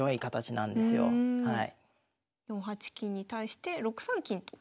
４八金に対して６三金と。